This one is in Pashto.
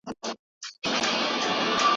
مایکرو فلم ریډر ډېر واړه توري ښیي.